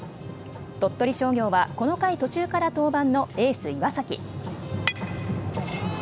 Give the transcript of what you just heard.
鳥取商業はこの回途中から登板のエース・岩崎。